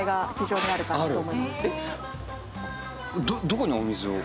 どこにお水を？